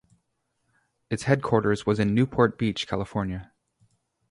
Its headquarters was in Newport Beach, California.